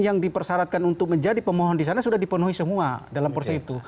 yang dipersyaratkan untuk menjadi pemohon di sana sudah dipenuhi semua dalam proses itu